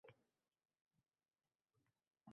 menga naf keltiradi. Axir, men — gulman-ku.